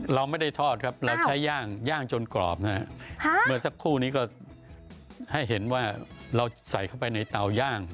เราไม่ได้ทอดครับเราใช้ย่างย่างจนกรอบนะฮะเมื่อสักครู่นี้ก็ให้เห็นว่าเราใส่เข้าไปในเตาย่าง